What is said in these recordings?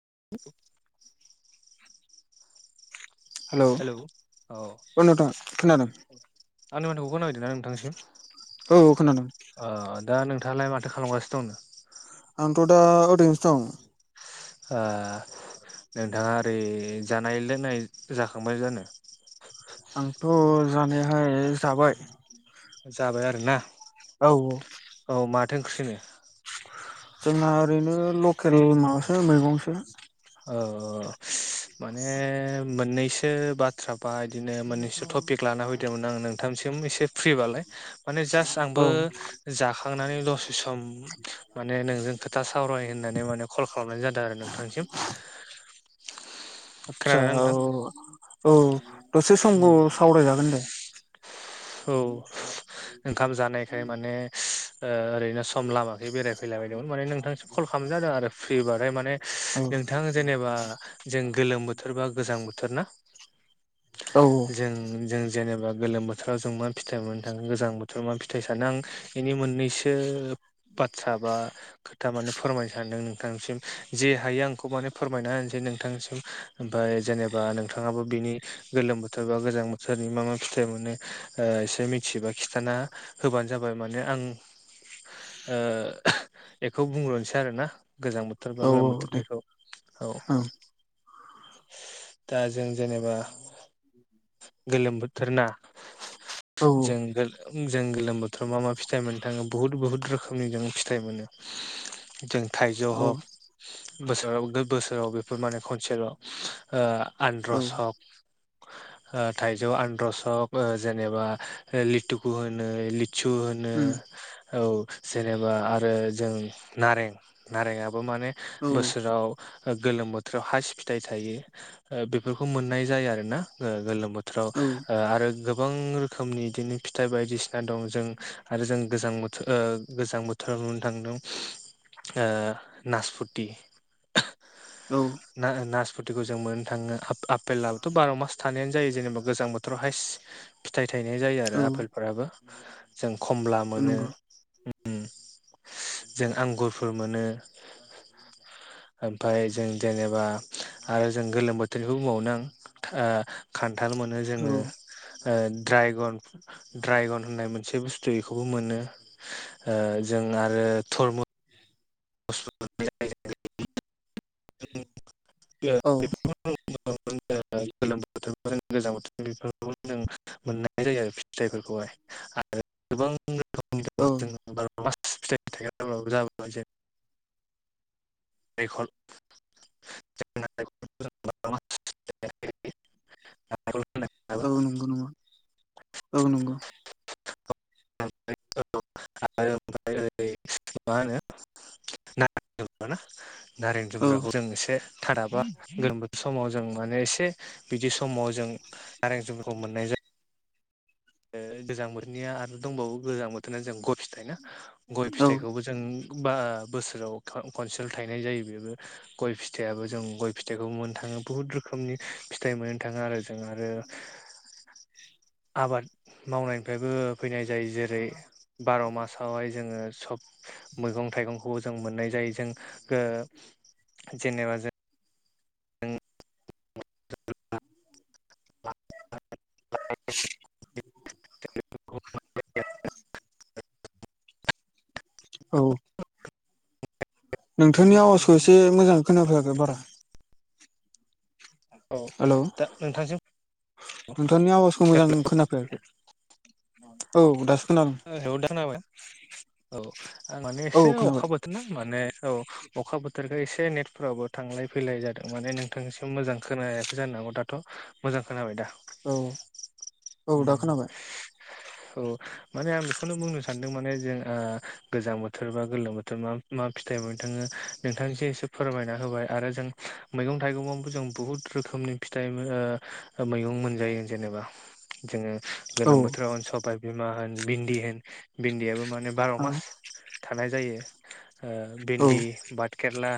[unintelligible] हेल' hello औ अ नोंथां खोनादों आंनि माथोखौ खोना हैदोना नोंथांनिसिम? औ खोनादों। दा नोंथाङालाय माथो खालामगासिनो दंनो? आंथ' दा ओरैनोसो दं। ओ नोंथाङा ओरै जानाय लोंनाय जाखांबाय जानो आंथ' जानायहाय जाबाय। जाबाय आरो ना औ अ थोंख्रिहोनो जोंहा ओरैनो लकेल माबासो मैगंसो औ औ माने मोननैसो बाथ्राक्ष बा बिदिनो मोननैसो टपिक लाना फैदोंमोन आं नोंथामसिम एसे फ्रिबालाय माने जास्ट आंबो औ जाखांनानै दसे सम माने नोंजों खोथा सावराय होननानै माने कल खालामनाय जादों आरो नोंथांसिम [inaudible] आदसा औ नोंथां औ दसे उम समखौ सावरायजागोन देश् औ ओंखाम जानायखाय माने ओ ओरैनो सम लामाखै बेरायफैलाबायदोंमोन माने नोंथांनोसो कल खालामनाय जादों आरो फ्रि बाथाय माने औ नोंथां जेनेबा जों गोलोम बोथोर बा गोजां बोथोर ना औ जों जों जेनेबा गोलोम बोथोराव जों मा फिथाइ मोननो थाङो गोजां बोथोराव मा फिथाइ सानो आं बेनि मोननैसोर बाथ्रा बा खोथा माने फोरमायनो सानदों नोंथांसिम जे हायो आं खौ माने फोरमायना होनसै नोंथांसिम ओमफाय जेनेबा नोंथाङाबो बिनि गोलोम बोथोर बा गोजां गोजां बोथोरनि मा मा फिथाइ मोनो ओ एसे मिथियोबा खिथाना होबानो जाबाय माने आं ओ बेखौ बुंग्रोसै आरो ना गोजां बोथोर बा औ गोलोम औ दे बोथोरनिखौ औ दा जों जेनेबा गोलोम बोथोरना औ जों जों गोलोम बोथोराव मा मा फिथाइ मोननो थाङो बुहुत बुहुत रोखोमनि जों फिथाइ मोनो जों थाइजौ औ हक बोसोराव बोसोराव बेफोर माने खनसेल ओ औ आनरस हख थाइजौ आनरस हक ओ जेनेबा लिथुखु होनो लि सु होनो उम औ जेनेबा आरो जों नारें नारें बो माने औ बोसोराव गोलोम बोथोराव हायस फिथाइ थायो ओ बेफोरखौ मोननाय जायो आरो ना गोलोम बोथ थोराव औ ओ आरो गोबां रो खोमनि बिदिनो फिथाइ बायदिसिना दं जों आरो जों गोजां बोथोर ओ गोजां बोथोराव मोननो थाङो ओ नासफुति ना ओ नासपुतिखौ जों मोननो थाङो आफ आफेलाबोथ बार मास थानायानो जा जायो जेनेबा गोजां बोथोराव हायस फिथाइ थायनाय जायो आरो आफेलफोराबो जों खमला औ मोनो। नंगौ जों आंगुरफोर मोनो। ओमफाय जों देनेबा आरो जों गोलोम बोथोरनिखौ बुंबावनो आं ओ खान थाल मोनो औ जोङो। ओ ड्रायगन ड्रायगन होननाय मोनसे बुस्थु बेखौबो मोनो ओ जों आरो थरमु [unintelligible] [unintelligible] औ जों मोननाय जायो आरो फिथाइफोरखौहाय आरो गोबां। औ [unintelligible] [unintelligible] [unintelligible] औ नंगौ नंगौ औ नंगौ आरो [unintelligible] मा होनो [unintelligible] नारें औ जुम्ब्राखौ जों एसे थादाबा गोरोम बोथोर समाव जों माने एसे बिदि समाव जों नारें जुमब्राखौ मोननाय जा गोजां बोथोरनिया आरो दंबावो गोजां बोथोरा जों गय फिथाइ ना गय औ फिथाइखौबो जों बा बोसोराव खनसेल थायनाय जायो बेबो गय फिथाइयाबो जों गय फिथाइखौ मोननो थां बुहुत रोखोमनि फिथाइ मोननो थाङो आरो जों आरो आबाद मावनायनिफायबो फैनाय जायो जेरै बार मासावहाय जोङो सब मैग गं थाइगंखौबो जों मोननाय जायो जों गो जेनेबा जों नों [unintelligible] [unintelligible] [unintelligible] औ नोंथांनि आवाजखौ एसे मोजां खोनाफैयाखै बारा औ हेलौ दा नोंथांसिम नोंथांनि आवाजखौ औ मोजां खोनाफैआखि औ दास [unintelligible] औ आं माने औ एसे अखा खोनाबाय बोथोर ना माने औ अखा बोथोरखाय एसे से नेटफोरावबो थांलाय फैलाय जादों माने नोंथांनिसिम मोजां खोनायाखै जानो हागौ दाथ' मोजां खोनाबाय दा? औ औ दा खोनाबाय औ माने आं बेखौनो बुंनो सानदों माने जों गोजां बोथोर बा गोलोम बोथोर मा मा फिथाइ मोननो थांङो नोंथांजों एसे फोरमायना होबाय आरो जों मैगं थाइगंआवबो जों बुहुत रोखोमनि फिथाइ मोन ओ मैगं मोनजायो जेनेबा जोंङो औ गोलोम बोथोराव होन सबाय बिमा होन भिन्दि होन भिन्दियाबो माने बार' मास आं थानाय जायो औ भिन्दि भात केेरला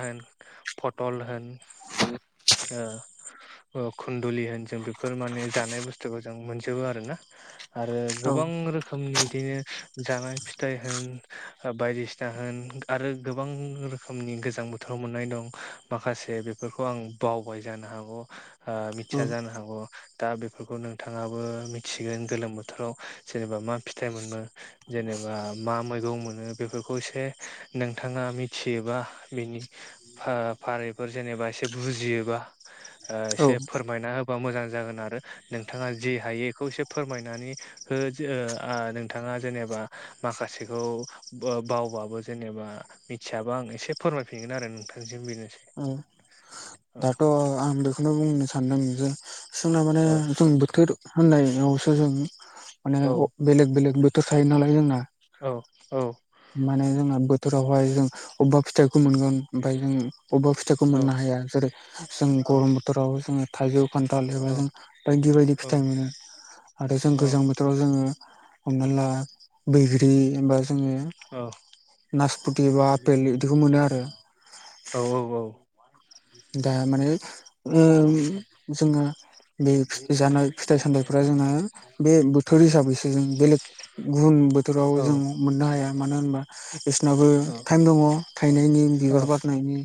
पटल होन ओ खुन्दुलि होन जों बेफोर माने जानाय बुस्थुफो जों मोनजोबो आरोना आरो औ गोबां रोखोम नि बिदिनो जानाय फिथाइ होन बायदिसिना होन आरो गोबां रोख खोमनि गोजां बोथोराव मोननाय दं माखासे बेफोरखौ आं बावबाय जानो हागौ औ मिथिया जानो हागौ दा बेफोरखौ नोंथाङाबो मिथिगोन गोलोम बोथोराव जेनेबा मा फिथाइ मोनो जेनेबा मा मैग बेखौ मोन बेफोरखौ नोंथाआ मिथियोबा बेनि फारि फारि जेनेबा एसे बुजियोबा औ एसे फोरमायना होब होबा मोजां जागोन आरो नोंथांङा जे हायो बेखौ एसे फोरमायनानै हो जोओ आं नोंथांङा जेनेबा माखासेखौ बावबाबो जेनेबा मिथियाबा आ आं एसे फोरमायफिनगोन आरो नोंथांज उं दाथ' आं बेखौनो बुंनो सानदों जे जोंना माने औ जों बोथोर होननायावसो जों माने औ बेलेग बेलेगो होखायो नालाय जोंना औ औ माने जोंहा बोथोरावहाय जों अबेबा फिथाइखौ मोनगोन ओमफफ्राय जों बबेबा फिथाइखौ औ मोननो हाया जेरै जों औ गरम बोथोराव जोंङो थाइजौ खान्थाल एबा जों बायदि बायदि औ फिथाइ मोनो आरो जों औ गोजां बोथोराव जोंङो हमना ला बैग्रि ओमबा जोंङो औ नासपति बा आपेल इदिखौ मोनो आरो औ दा माने ओम जोंङो बे जानाय फिथाइ सामथाइफ फोरा जोंङहा बे बोथोर हिसाबैसो जों बेलेग गुबुन बोथोराव जों मोननो हाया मानो होनबा बिसनाबो टाइम दंङ थायनायनि औ बिबार बारनायनि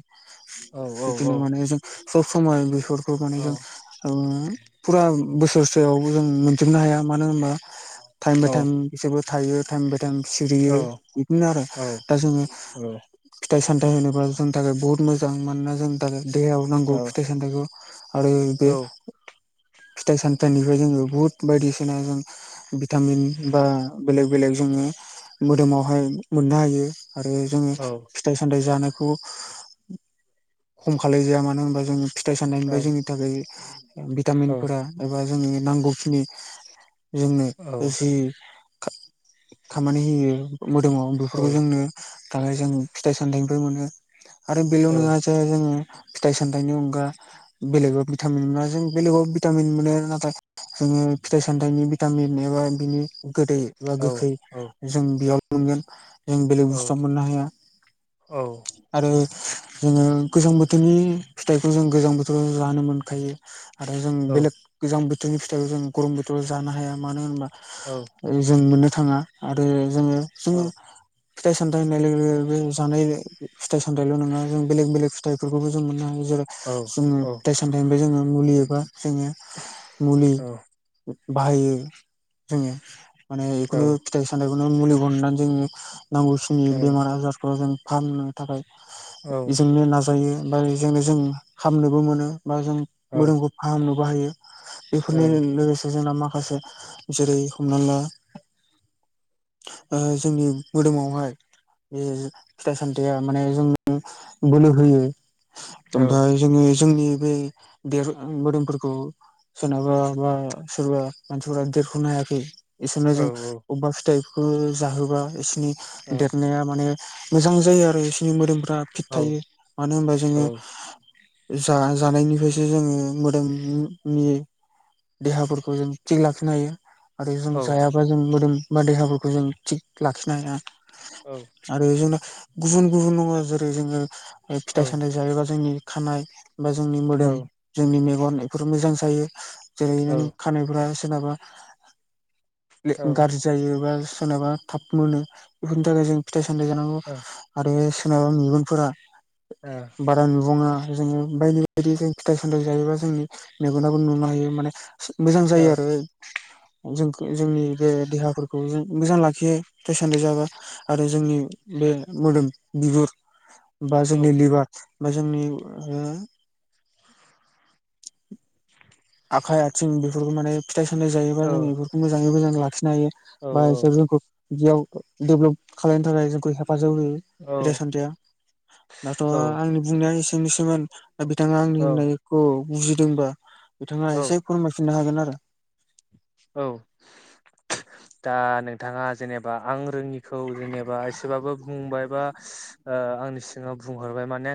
औ बिदिनो माने जों सब समाय बेफोर खौ माने जों फुरा बोसोरसेयावम जों मोनजुबनो हाया मानोहोनबा टाइम बाय टाइम औ बिसोरबो थायो दाम सिरियो औ बिदिनो आरो औ दा जोंङो फिथाइ सामथाइ होनोबा जोंनि थाखाय बुहुत मोजां मानोना जोंनि थाखाय दैयाव नांगौ फिथाइ सामथायखौ आरो बे फिथाइ सामथाइनिफ्राय जोंङो बुहुत बायदिसिना जों भिटामिन बा बेलेग बेलेग जों जोंङो मोदोमावहाय मोननो हायो आरो जोंङो फिथाइ सामथाइ जानायखौ खम खालाय जाया मानो होनबा जों फिथाइ सान्नायनिफ्राय जोंनि थाखाय भिटामिनफोरा एबा जोंनि नांगौखिनि जोंनो जि खामानि होयो मोदोमाव बेफोरखौ जोंनो दालाय जों फिथाइ सामथायनिबो मोनो आरो बेल' नङा जे जोङो फिथाइ सामथाइनि अनगा बेलेगाव भिटामिन मोना जों बेलेगाव भिटामिन मोनो नाथाय जोङो फिथाइ सामथाइनि भिटामिन एबा बिनि गोदै बा गोखै औ जों बेयाव मोनगोन जों बेलेग औ औ बुस्थुवाव मोननो हाया औ आरो जोङो गोजां बोथोरनि फिथाइखौ जों गोजां बोथोराव जानो मोनखायो आरो जों बेलेग गोजां बोथोरनि फिथाइखौ जों गरम बोथोराव जानो हाया मानो होनोबा जों मोननो थाङा आरो जोङो जोङो फिथाइ सामथाइ होननाय लोगो लोगो बे जानाय फिथाइ सामथाइल' नङा जों बेलेग बेलेग फिथाइफोरखौबो जों मोननो हायो जेरै जोङो दाइ सानथाइनिफ्राय जोङो मुलि एबा जोङो मुलि बाहायो जोङो माने बेखुनु फिथाइ सामथाइखौनो मुलि हनानै जोङो नांगौसिनि औ बेमार आजारफोराव जों फाहामनो थाखाय नो नाजायो बाजोंनो जों हामनोबो मोनो बा जों मोदोमखौ फाहामनोबो हायो बेफोरनि लोगोसे जोंना माखासे जेरै हमना ला जोंनि मोदोमावहाय बे फिथाइ सामथाइया माने जों बोलो होयो ओमफ्राय जोङो जोंनि बे देर मोदोमफोरखौ सोरनाबा बा सोरबा मानसिफोरा आरोखि [unintelligible] बिसोरनो जों अबेबा फिथाइखौ जाहोबा बिसोरनि देरनाया माने मोजां जायो आरो बिसोरनि मोदोमफ्रा फिट थायो मानो होनबा जोङो जा जानायनिफ्रायसो जोङो मोदोमनि देहाफोरखौ जों थिग लाखिनो हायो आरो जों जायाबा जों मोदोम बा देहाफोरखौ जों थिग लाखिनो हाया आरो जोंना गुबुन गुबुन दङ जेरै जोङो फिथाइ सामथायाइ जायोबा जोंनि खानाय बा जोंनि मोदोम जोंनि मेगन गन बेफोर मोजां जायो जेरै नों खानायफोरा सोरनाबा औ गाज्रि जायो बा सोरनाबा थाब मोनो बेफोरनि थाखाय जों फिथाइ सामथाइ जानांगौ आरो सोरनाबा मेगनफोरा बारा नुबाङा जोङो बायदि बायदि जों फिथाइ सामथाइ जायोबा जोंनि मेगनाब नुनो हायो माने मोजां जायो आरो जों जोंनि बे देहाफोरखौ जों मोजां लाखियो फिथाइ सामथाइ जाबा आरो जोंनि बे मोदोम बिगुर [inaudible] बा जोंनि लिभार बा जोंनि आखाइ आथिं बेफोरखौ माने फिथाइ सामथाइ जायोबा जों बेफोरखौ मोजाङै मोजां लाखि हाथों बा बेडसोर जोंखौ बियाव देबेलप खालामनो थाखाय जों हेफाजाब होयो फिथाइ सामथाइया दाथ'आंनि बुंनाया एसे एसेनोसैमोन दा बिथाङा आंनि होननायखौ बुजिदोंबा बिथाङा एसे फोरमायफिननो हागोन आरो औ दा नोंथाङा जेनेबा आं रोङिखौ जेनेबा एसेबाबो बुंबायबा ओ आंनि सिङाव बुंहरबाय माने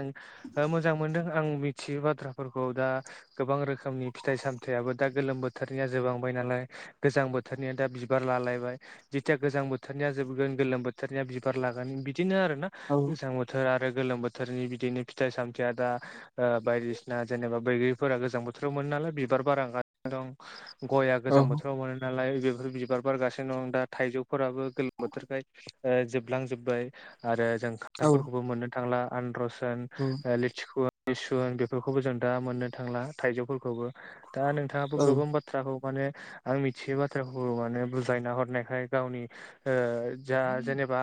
आं मोजां मोनदों आं मिथियो बाथ्राफोरखौ दा गोबां रोखोमनि फिथाइ सामथायाइाबो दा गोलोम बोथोरनिया जोबलांबाय नालाय गोजां बोथोरनिया दा बिबार लालायबाय जेथिया गोजां बोथोरनिया जोबगोन गोलोम बो बोथोरनिया बिबार लागोन बिदिनो आरोना औ गोजां बोथोर आरो ओमफ्राय गोलोम बोथोरनि बिदिनो फिथाइ सामथायाइया दा ओ बायदिसिना जेनेबा बैग्रिफोरा गोजां बोथोराव मोनो नालाय बिबार बारगासिनो दं गया औ गोजां बोथोराव मोनो नालाय बेफोर बिबार बारगासिनो दं दा थाइजौफोराबो गोलोम बोथोरखाय ओ जोबलांजोबबाय आरो जों खानथाल औ फोरखौबो मोननो थांला आनारस होन, लिथुखु होन लेसु होन, बेफोरखौबो जों दा मोननो थांला थाइजौफोरखौबो। दा नोंथाङाबो औ गोबां बाथ्रा माने आं मिथियै बाथ्राखौ माने बुजायना हरनायखाय गावनि ओ जा जेनेबा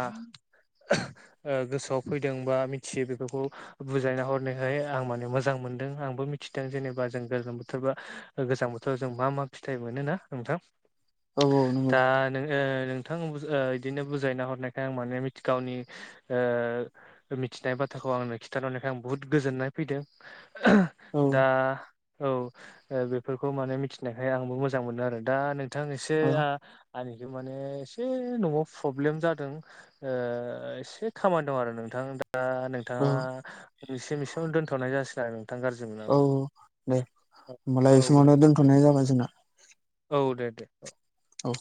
ओ गोसोआव फैदों बा मिथियै बेफोरखौ बुजायना हरनायखाय आं माने मोजां मो दों आंबो मिथिदों जेनेबा जों गोजां बोथोर बा गोजां बोथोराव जों मा मा फिथाइ मोन ना नोंथां। औ औ नंगौ दा नोङो नोंथां ओ इदिनो बुजायना हरनायखाय आं माने गावनि ओ मिथिनाय बा थ्राखौ आंनो खिथरनायखाय आं बुहुथ गोजोननाय फैदों। औ दा औ बेफोरखौ माने मिथिना मोननायखाय आंबो मोजां मोनदों। दा नोंथां एसे औ माने एसे न'आव प्रब्लेम जादों ओ एसे खामानि दं आरो नोंथां दा। दा नोंथाङा एसे एसेयाव दोनथ'नाय जासिगोन आरो। गाज्रि औ मोनाबा। दे औ होनोमबालाय बे औ दे समावनो दे दोनथ'नाय जाबाय जोंना। औ दे दे। औ।